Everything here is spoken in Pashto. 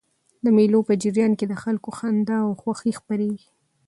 د مېلو په جریان کښي د خلکو خندا او خوښي خپریږي.